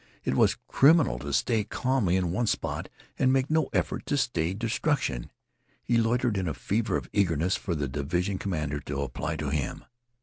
It was criminal to stay calmly in one spot and make no effort to stay destruction. He loitered in a fever of eagerness for the division commander to apply to him.